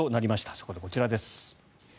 そこでこちらです。